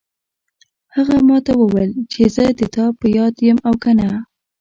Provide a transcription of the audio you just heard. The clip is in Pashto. هغې ما ته وویل چې زه د تا په یاد یم او که نه